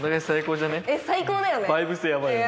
最高だよね！